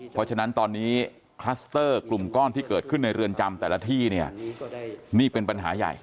เพราะฉะนั้นตอนนี้คลัสเตอร์กลุ่มก้อนที่เกิดขึ้นในเรือนจำแต่ละที่เนี่ยนี่เป็นปัญหาใหญ่